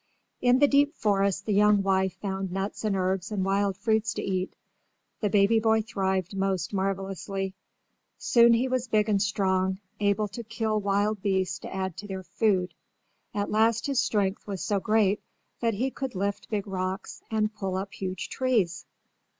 In the deep forest the young wife found nuts and herbs and wild fruits to eat. The baby boy thrived most marvelously. Soon he was big and strong, able to kill wild beasts to add to their food. At last his strength was so great that he could lift big rocks and pull up huge trees.